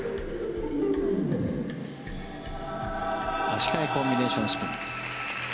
足換えコンビネーションスピン。